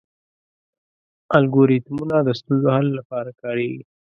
الګوریتمونه د ستونزو حل لپاره کارېږي.